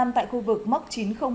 tại khu vực móc chín trăm linh một